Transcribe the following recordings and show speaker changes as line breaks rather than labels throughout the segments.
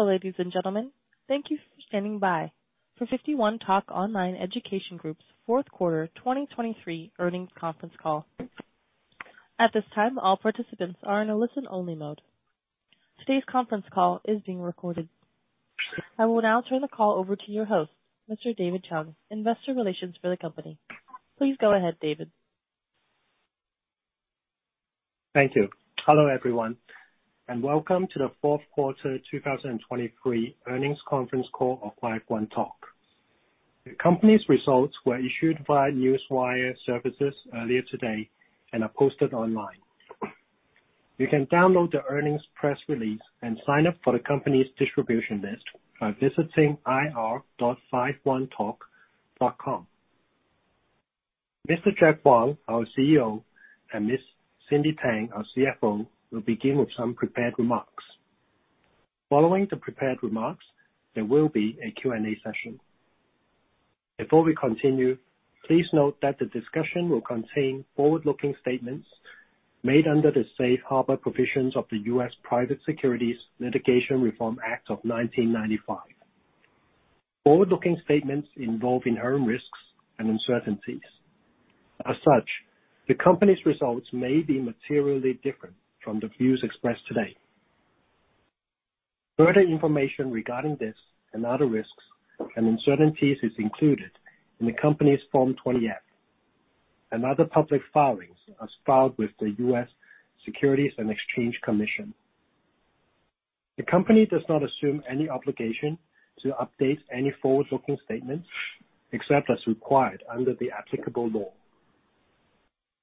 Hello ladies and gentlemen. Thank you for standing by for 51Talk Online Education Group's Fourth Quarter 2023 Earnings Conference Call. At this time, all participants are in a listen-only mode. Today's conference call is being recorded. I will now turn the call over to your host, Mr. David Chung, Investor Relations for the company. Please go ahead, David.
Thank you. Hello everyone, and welcome to the Fourth Quarter 2023 Earnings Conference Call of 51Talk. The company's results were issued via Newswire services earlier today and are posted online. You can download the earnings press release and sign up for the company's distribution list by visiting ir51talk.com. Mr. Jack Huang, our CEO, and Ms. Cindy Tang, our CFO, will begin with some prepared remarks. Following the prepared remarks, there will be a Q&A session. Before we continue, please note that the discussion will contain forward-looking statements made under the Safe Harbor Provisions of the U.S. Private Securities Litigation Reform Act of 1995. Forward-looking statements involve inherent risks and uncertainties. As such, the company's results may be materially different from the views expressed today. Further information regarding this and other risks and uncertainties is included in the company's Form 20-F and other public filings as filed with the U.S. Securities and Exchange Commission. The company does not assume any obligation to update any forward-looking statements except as required under the applicable law.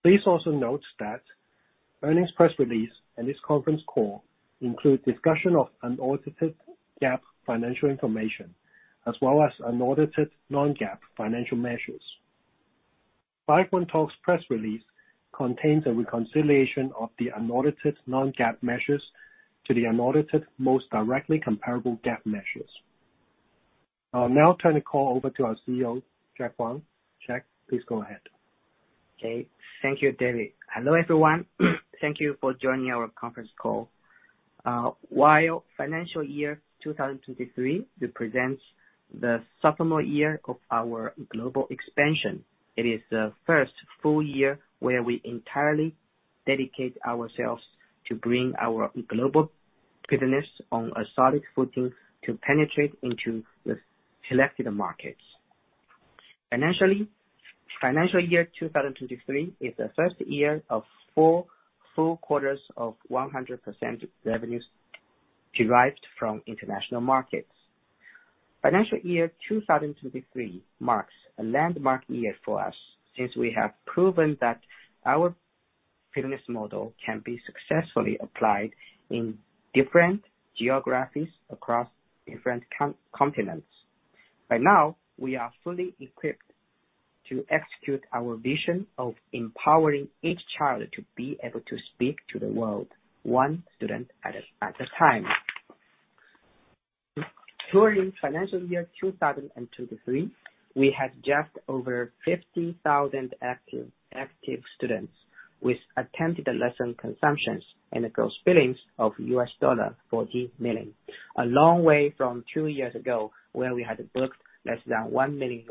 Please also note that earnings press release and this conference call include discussion of unaudited GAAP financial information as well as unaudited non-GAAP financial measures. 51Talk's press release contains a reconciliation of the unaudited non-GAAP measures to the unaudited most directly comparable GAAP measures. I'll now turn the call over to our CEO, Jack Huang. Jack, please go ahead.
Okay. Thank you, David. Hello everyone. Thank you for joining our conference call. While financial year 2023 represents the seminal year of our global expansion, it is the first full year where we entirely dedicate ourselves to bring our global business on a solid footing to penetrate into the selected markets. Financially, financial year 2023 is the first year of four full quarters of 100% revenues derived from international markets. Financial year 2023 marks a landmark year for us since we have proven that our business model can be successfully applied in different geographies across different continents. Right now, we are fully equipped to execute our vision of empowering each child to be able to speak to the world, one student at a time. During financial year 2023, we had just over 50,000 active students with attempted lesson consumptions and gross billings of $40 million, a long way from two years ago where we had booked less than $1 million.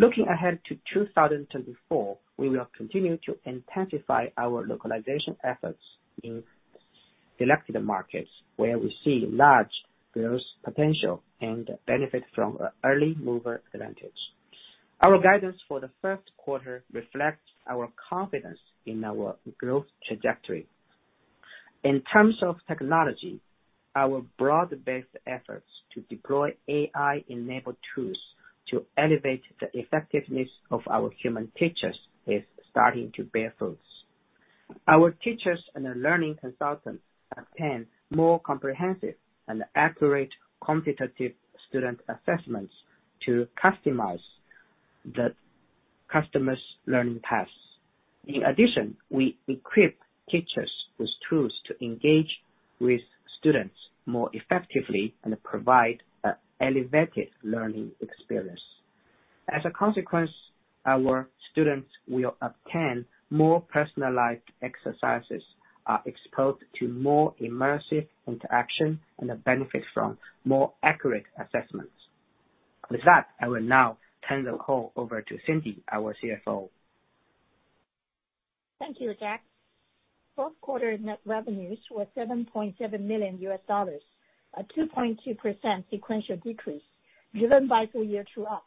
Looking ahead to 2024, we will continue to intensify our localization efforts in selected markets where we see large growth potential and benefit from an early mover advantage. Our guidance for the first quarter reflects our confidence in our growth trajectory. In terms of technology, our broad-based efforts to deploy AI-enabled tools to elevate the effectiveness of our human teachers is starting to bear fruits. Our teachers and learning consultants obtain more comprehensive and accurate quantitative student assessments to customize the customer's learning paths. In addition, we equip teachers with tools to engage with students more effectively and provide an elevated learning experience. As a consequence, our students will obtain more personalized exercises, are exposed to more immersive interaction, and benefit from more accurate assessments. With that, I will now turn the call over to Cindy, our CFO.
Thank you, Jack. Fourth quarter net revenues were $7.7 million, a 2.2% sequential decrease driven by full-year drop.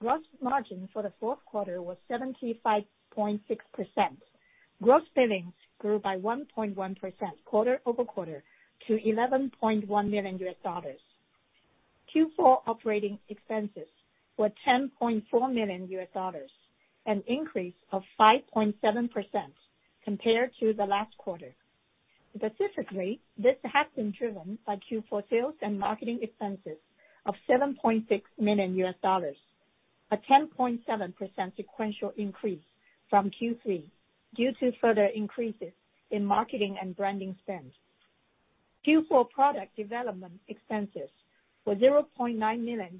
Gross margin for the fourth quarter was 75.6%. Gross billings grew by 1.1% quarter-over-quarter to $11.1 million. Q4 operating expenses were $10.4 million, an increase of 5.7% compared to the last quarter. Specifically, this has been driven by Q4 sales and marketing expenses of $7.6 million, a 10.7% sequential increase from Q3 due to further increases in marketing and branding spend. Q4 product development expenses were $0.9 million,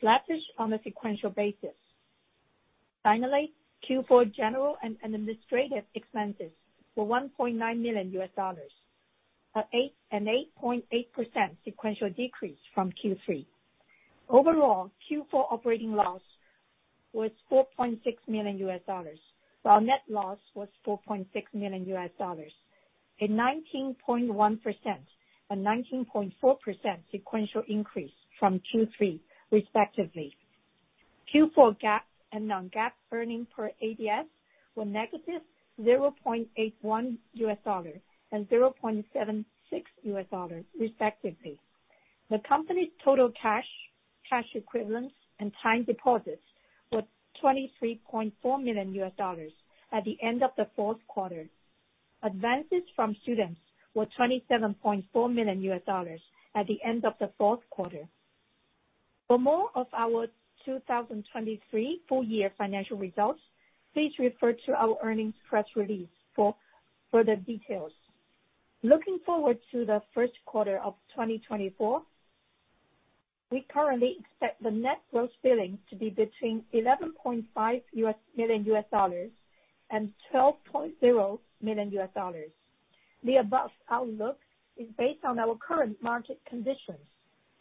flattish on a sequential basis. Finally, Q4 general and administrative expenses were $1.9 million, an 8.8% sequential decrease from Q3. Overall, Q4 operating loss was $4.6 million, while net loss was $4.6 million, a 19.1% and 19.4% sequential increase from Q3, respectively. Q4 GAAP and non-GAAP earnings per ADS were -$0.81 and $0.76, respectively. The company's total cash, cash equivalents, and time deposits were $23.4 million at the end of the fourth quarter. Advances from students were $27.4 million at the end of the fourth quarter. For more of our 2023 full-year financial results, please refer to our earnings press release for further details. Looking forward to the first quarter of 2024, we currently expect the net gross billing to be between $11.5 million and $12.0 million. The above outlook is based on our current market conditions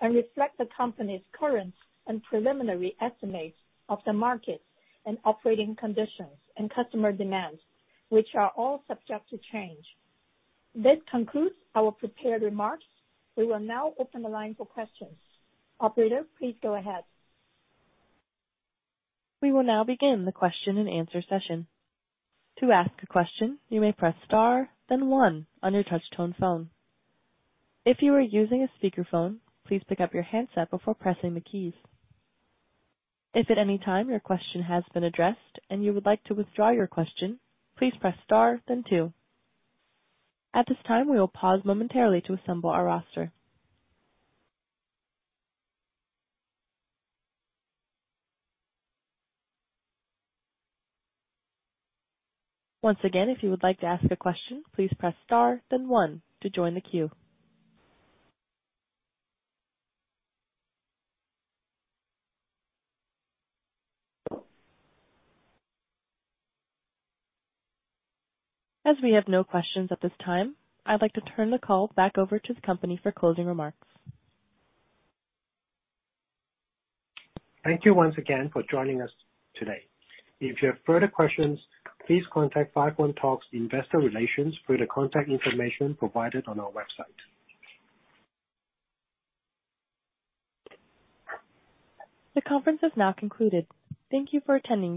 and reflects the company's current and preliminary estimates of the market and operating conditions and customer demands, which are all subject to change. This concludes our prepared remarks. We will now open the line for questions. Operator, please go ahead.
We will now begin the question-and-answer session. To ask a question, you may press star, then one on your touch-tone phone. If you are using a speakerphone, please pick up your handset before pressing the keys. If at any time your question has been addressed and you would like to withdraw your question, please press star, then two. At this time, we will pause momentarily to assemble our roster. Once again, if you would like to ask a question, please press star, then one to join the queue. As we have no questions at this time, I'd like to turn the call back over to the company for closing remarks.
Thank you once again for joining us today. If you have further questions, please contact 51Talk's Investor Relations for the contact information provided on our website.
The conference is now concluded. Thank you for attending.